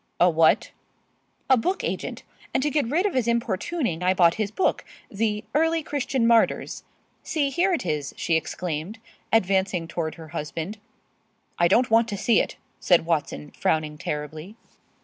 "A what?" "A book agent; and to get rid of his importuning I bought his book, the 'Early Christian Martyrs.' See, here it is," she exclaimed, advancing toward her husband. "I don't want to see it," said Watson, frowning terribly.